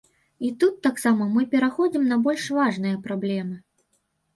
І тут таксама мы пераходзім на больш важныя праблемы.